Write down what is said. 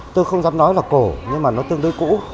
tôi không dám nói là cổ nhưng mà nó tương đối cũ